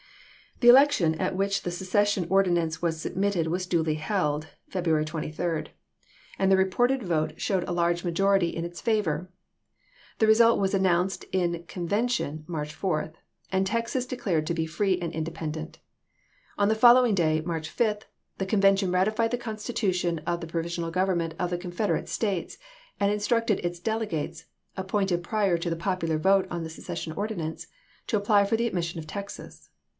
521. The election at which the secession ordinance was submitted was duly held (February 23) and 186 ABKAHAM LINCOLN Chap. IX. the reported vote showed a large majority in its favor.^ The result was announced in convention 1861. (March 4) and Texas declared to be free and inde pendent. On the following day (March 5) the convention ratified the constitution of the provi sional government of the Confederate States, and instructed its delegates (appointed prior to the Committee popular votc ou thc scccssiou Ordinance) to apply Mar.'sTisol' foi' ^^® admission of Texas.